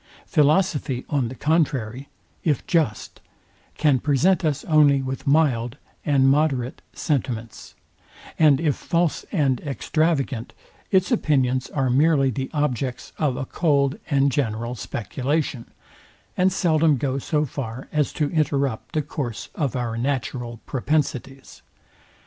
Philosophy on the contrary, if just, can present us only with mild and moderate sentiments; and if false and extravagant, its opinions are merely the objects of a cold and general speculation, and seldom go so far as to interrupt the course of our natural propensities.